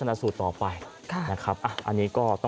เฮ้ยเฮ้ย